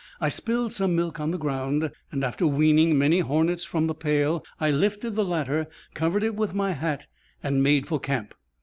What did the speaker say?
I spilled some milk on the ground, and after weaning many hornets from the pail, I lifted the latter, covered it with my hat, and made for camp.